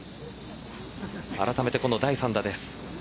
あらためて、この第３打です。